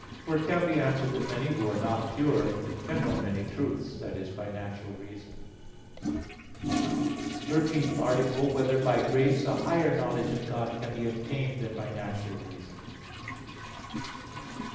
For it can be answered that many who are not pure can know many truths," i.e. by natural reason. _______________________ THIRTEENTH ARTICLE [I, Q. 12, Art. 13] Whether by Grace a Higher Knowledge of God Can Be Obtained Than by Natural Reason?